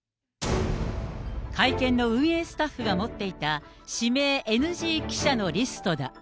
会見の運営スタッフが持っていた指名ＮＧ記者のリストだ。